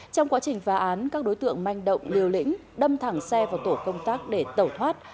trong quá trình phá án các đối tượng manh động liều lĩnh đâm thẳng xe vào tổ công tác để tẩu thoát